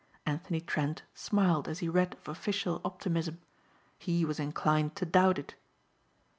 Anthony Trent smiled as he read of official optimism. He was inclined to doubt it.